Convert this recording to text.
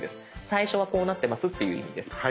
最初はこうなってますっていう意味です。